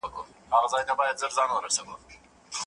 آيا تېر هېواد په رښتيا غرق سوی و؟